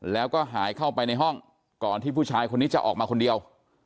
แล้วก็หายเข้าไปในห้องก่อนที่ผู้ชายคนนี้จะออกมาคนเดียว